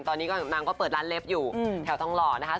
ตอนนี้นางก็เปิดร้านเล็บอยู่แถวทองหล่อนะคะ